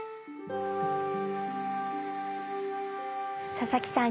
佐々木さん